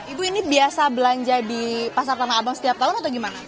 ibu ini biasa belanja di pasar tanah abang setiap tahun atau gimana